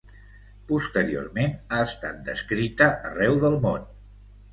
Posteriorment ha estat descrita arreu del món.